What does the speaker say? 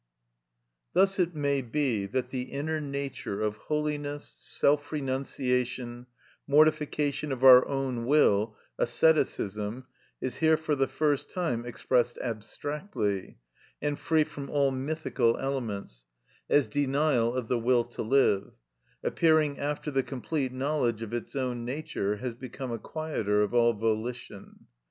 Thus it may be that the inner nature of holiness, self renunciation, mortification of our own will, asceticism, is here for the first time expressed abstractly, and free from all mythical elements, as denial of the will to live, appearing after the complete knowledge of its own nature has become a quieter of all volition.